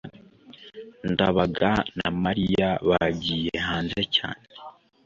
ndabaga na mariya bagiye hanze cyane